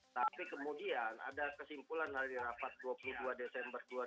tapi kemudian ada kesimpulan dari rapat dua puluh dua desember dua ribu dua puluh